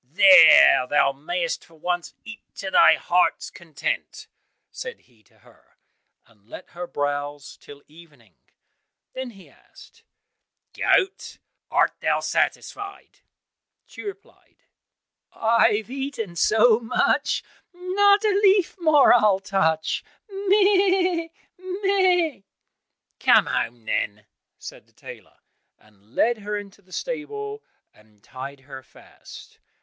"There thou mayest for once eat to thy heart's content," said he to her, and let her browse till evening. Then he asked, "Goat, art thou satisfied?" She replied, "I have eaten so much, Not a leaf more I'll touch, meh! meh!" "Come home, then," said the tailor, and led her into the stable, and tied her fast.